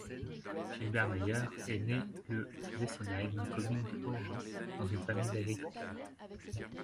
Gilbert Meyer est né le à Dessenheim, commune du Haut-Rhin, dans une famille d'agriculteurs.